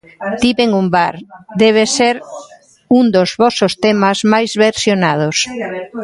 Tiven un bar debe ser un dos vosos temas máis versionados.